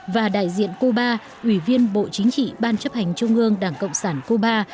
và đại diện cuba ủy viên bộ chính trị ban chấp hành trung ương đảng cộng sản cuba